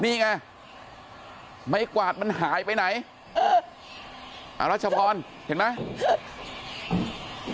นี่ไงไม้กวาดมันหายไปไหนเอออรัชพรเห็นไหม